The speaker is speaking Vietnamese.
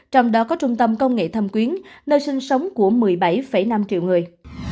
trong đó có trung tâm công nghệ thâm quyến nơi sinh sống của một mươi bảy năm triệu người